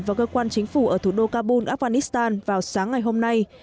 và cơ quan chính phủ ở thủ đô kabul afghanistan vào sáng ngày hôm nay